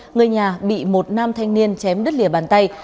người nhà bị một nam thanh niên chém đứt lìa bàn tay